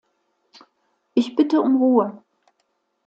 Ich bitte um Ruhe.